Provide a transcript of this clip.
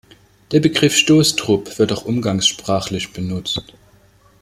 Der Begriff "Stoßtrupp" wird auch umgangssprachlich benutzt.